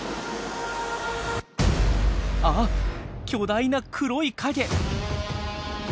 あっ巨大な黒い影！